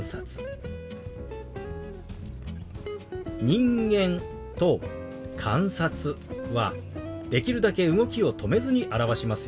「人間」と「観察」はできるだけ動きを止めずに表しますよ。